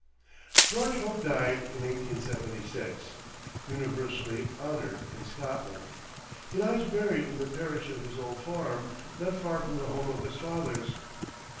George Hope died in 1876, universally honored in Scotland. He lies buried in the parish of his old farm, not far from the home of his fathers.